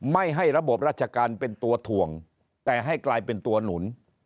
ไม่ให้ระบบราชการเป็นตัวถ่วงแต่ให้กลายเป็นตัวหนุน